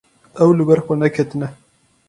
Ew li ber xwe neketine.